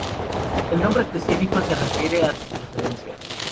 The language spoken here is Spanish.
El nombre específico se refiere a su procedencia.